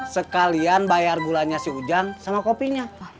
sekalian bayar gulanya si hujan sama kopinya